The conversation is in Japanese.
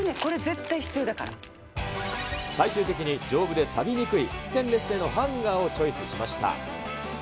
最終的に、丈夫でさびにくいステンレス製のハンガーをチョイスしました。